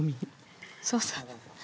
そうそう。